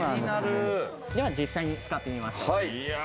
実際に使ってみましょう。